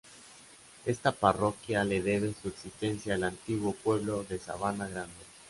Esta parroquia le debe su existencia al antiguo pueblo de Sabana Grande.